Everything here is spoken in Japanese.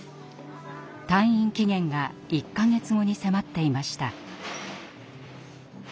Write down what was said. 退院期限が１か月後に迫っていました。